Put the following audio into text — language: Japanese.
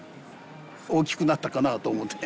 大きくなったかなと思って。